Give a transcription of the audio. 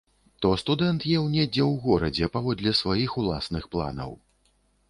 То студэнт еў недзе ў горадзе паводле сваіх уласных планаў.